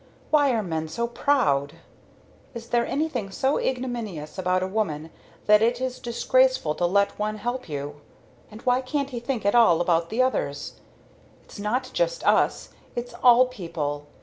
Why are men so proud? Is there anything so ignominious about a woman that it is disgraceful to let one help you? And why can't he think at all about the others? It's not just us, it's all people.